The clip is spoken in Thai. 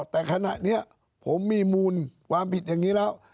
แต่ขณะนี้ผมมีมูลความผิดอย่างนี้แล้ว